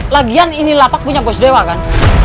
lagian ini lapak punya bos dewa kan